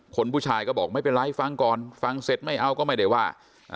คนผู้ชายก็บอกไม่เป็นไรฟังก่อนฟังเสร็จไม่เอาก็ไม่ได้ว่า